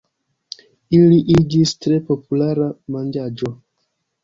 Ili iĝis tre populara manĝaĵo.